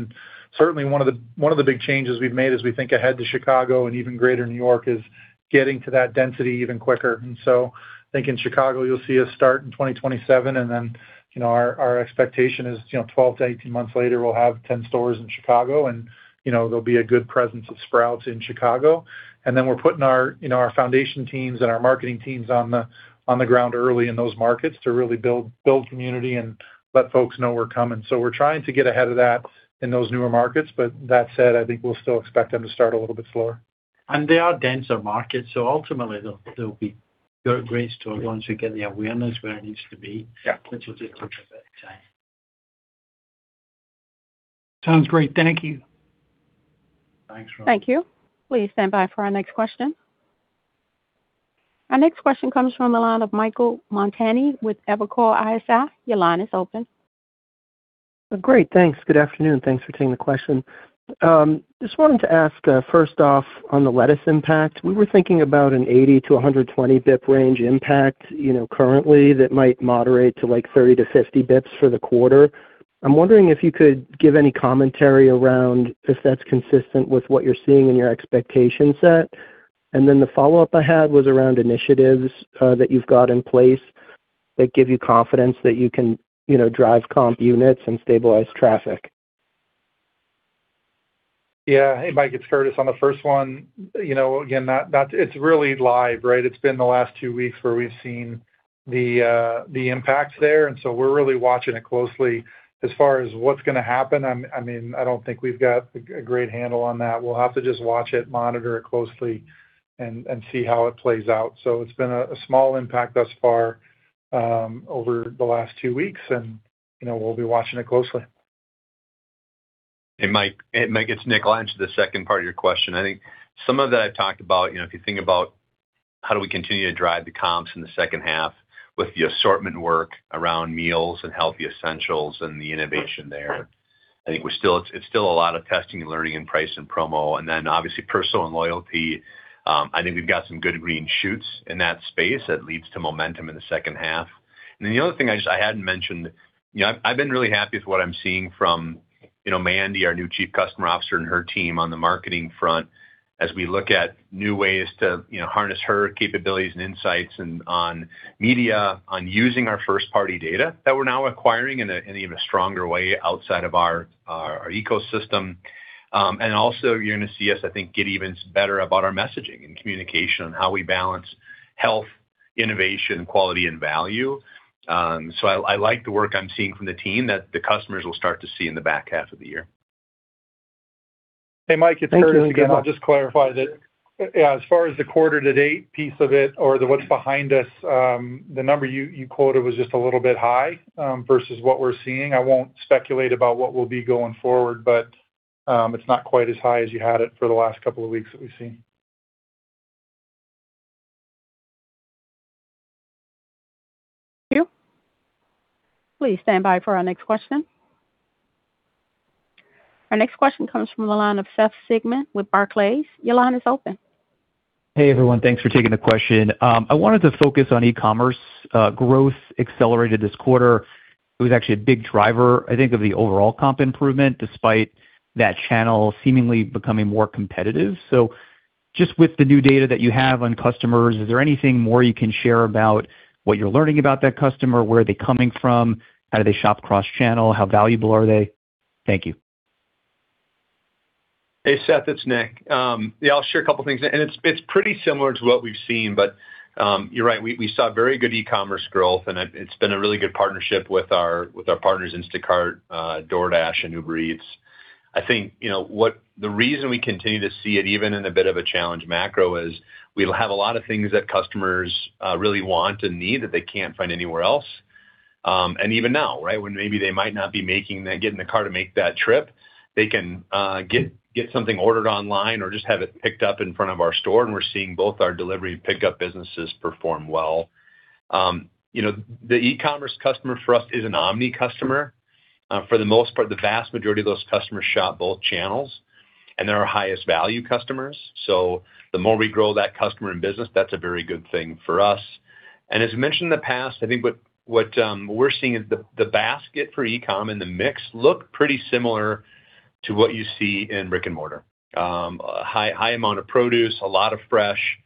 Certainly, one of the big changes we've made as we think ahead to Chicago and even greater New York is getting to that density even quicker. I think in Chicago, you'll see us start in 2027, then our expectation is 12-18 months later, we'll have 10 stores in Chicago, and there'll be a good presence of Sprouts in Chicago. We're putting our foundation teams and our marketing teams on the ground early in those markets to really build community and let folks know we're coming. We're trying to get ahead of that in those newer markets. That said, I think we'll still expect them to start a little bit slower. They are denser markets, ultimately they'll be great stores once you get the awareness where it needs to be. Yeah. Which will just take a bit of time. Sounds great. Thank you. Thanks, Robert. Thank you. Please stand by for our next question. Our next question comes from the line of Michael Montani with Evercore ISI. Your line is open. Great. Thanks. Good afternoon. Thanks for taking the question. Just wanted to ask, first off, on the lettuce impact, we were thinking about an 80-120 bip range impact, currently that might moderate to like 30-50 bips for the quarter. I'm wondering if you could give any commentary around if that's consistent with what you're seeing in your expectation set. The follow-up I had was around initiatives that you've got in place that give you confidence that you can drive comp units and stabilize traffic. Yeah. Hey, Mike, it's Curtis. On the first one, again, it's really live, right? It's been the last two weeks where we've seen the impact there, we're really watching it closely. As far as what's gonna happen, I don't think we've got a great handle on that. We'll have to just watch it, monitor it closely and see how it plays out. It's been a small impact thus far, over the last two weeks and we'll be watching it closely. Hey, Mike, it's Nick. I'll answer the second part of your question. I think some of that I've talked about. If you think about how do we continue to drive the comps in the second half with the assortment work around meals and healthy essentials and the innovation there. I think it's still a lot of testing and learning and price and promo. Obviously personal and loyalty. I think we've got some good green shoots in that space that leads to momentum in the second half. The other thing I hadn't mentioned. I've been really happy with what I'm seeing from Mandy Rassi, our new Chief Customer Officer, and her team on the marketing front as we look at new ways to harness her capabilities and insights and on media, on using our first-party data that we're now acquiring in an even stronger way outside of our ecosystem. Also you're going to see us, I think, get even better about our messaging and communication on how we balance health, innovation, quality, and value. I like the work I'm seeing from the team that the customers will start to see in the back half of the year. Hey, Mike, it's Curtis again. I'll just clarify that, yeah, as far as the quarter to date piece of it or the what's behind us, the number you quoted was just a little bit high, versus what we're seeing. I won't speculate about what will be going forward, but it's not quite as high as you had it for the last couple of weeks that we've seen. Thank you. Please stand by for our next question. Our next question comes from the line of Seth Sigman with Barclays. Your line is open. Hey, everyone. Thanks for taking the question. I wanted to focus on e-commerce. Growth accelerated this quarter. It was actually a big driver, I think, of the overall comp improvement, despite that channel seemingly becoming more competitive. Just with the new data that you have on customers, is there anything more you can share about what you're learning about that customer? Where are they coming from? How do they shop cross-channel? How valuable are they? Thank you. Hey, Seth, it's Nick. Yeah, I'll share a couple things. It's pretty similar to what we've seen, but you're right. We saw very good e-commerce growth and it's been a really good partnership with our partners, Instacart, DoorDash, and Uber Eats. I think the reason we continue to see it, even in a bit of a challenge macro is we have a lot of things that customers really want and need that they can't find anywhere else. Even now, right, when maybe they might not be get in the car to make that trip, they can get something ordered online or just have it picked up in front of our store. We're seeing both our delivery and pickup businesses perform well. The e-commerce customer for us is an omni customer. For the most part, the vast majority of those customers shop both channels, and they're our highest value customers. The more we grow that customer and business, that's a very good thing for us. As mentioned in the past, I think what we're seeing is the basket for e-com and the mix look pretty similar to what you see in brick and mortar. A high amount of produce, a lot of fresh.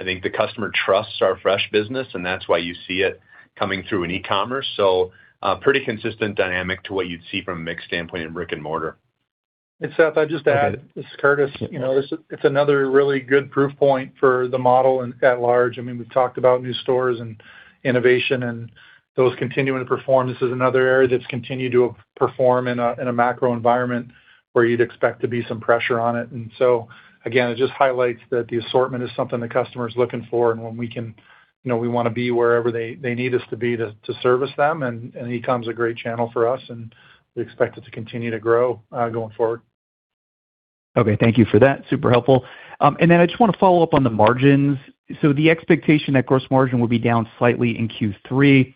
I think the customer trusts our fresh business, and that's why you see it coming through in e-commerce. Pretty consistent dynamic to what you'd see from a mix standpoint in brick and mortar. Seth, I'd just add, this is Curtis. It's another really good proof point for the model at large. We've talked about new stores and innovation and those continuing to perform. This is another area that's continued to perform in a macro environment where you'd expect there to be some pressure on it. Again, it just highlights that the assortment is something the customer's looking for, and we want to be wherever they need us to be to service them. E-com's a great channel for us, and we expect it to continue to grow, going forward. Okay. Thank you for that. Super helpful. I just want to follow up on the margins. The expectation that gross margin will be down slightly in Q3.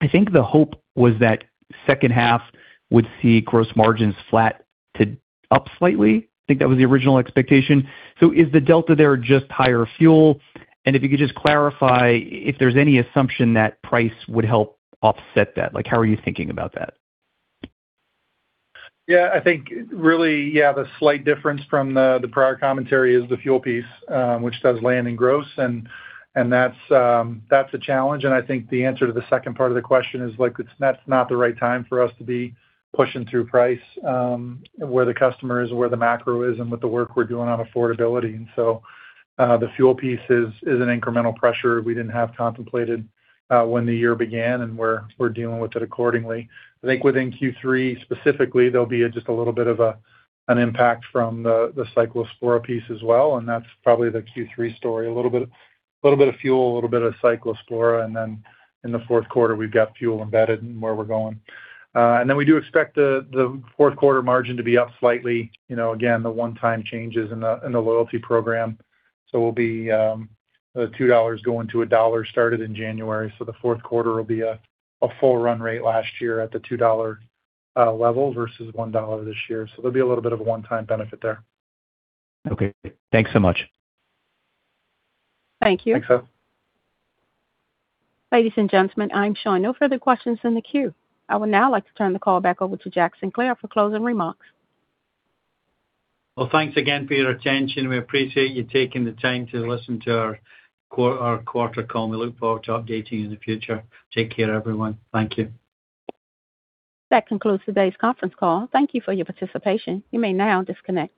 I think the hope was that second half would see gross margins flat to up slightly. I think that was the original expectation. Is the delta there just higher fuel? If you could just clarify if there's any assumption that price would help offset that. How are you thinking about that? I think really, the slight difference from the prior commentary is the fuel piece, which does land in gross and that's a challenge. I think the answer to the second part of the question is that's not the right time for us to be pushing through price, where the customer is and where the macro is, and with the work we're doing on affordability. The fuel piece is an incremental pressure we didn't have contemplated when the year began, and we're dealing with it accordingly. I think within Q3 specifically, there'll be just a little bit of an impact from the Cyclospora piece as well, and that's probably the Q3 story. A little bit of fuel, a little bit of Cyclospora, then in the fourth quarter, we've got fuel embedded in where we're going. We do expect the fourth quarter margin to be up slightly. Again, the one time changes in the loyalty program. The $2 going to $1 started in January, so the fourth quarter will be a full run rate last year at the $2 level versus $1 this year. There'll be a little bit of a one time benefit there. Okay. Thanks so much. Thank you. Thanks, Seth. Ladies and gentlemen, I'm showing no further questions in the queue. I would now like to turn the call back over to Jack Sinclair for closing remarks. Well, thanks again for your attention. We appreciate you taking the time to listen to our quarter call. We look forward to updating you in the future. Take care, everyone. Thank you. That concludes today's conference call. Thank you for your participation. You may now disconnect.